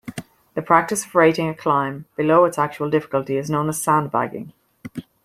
The practice of rating a climb below its actual difficulty is known as sandbagging.